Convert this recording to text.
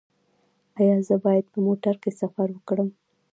ایا زه باید په موټر کې سفر وکړم؟